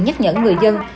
nhắc nhẫn người dân